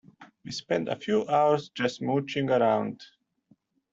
We spent a few hours just mooching around.